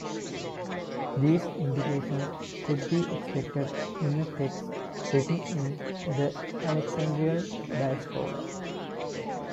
These indications could be expected in a text written in the Alexandrian Diaspora.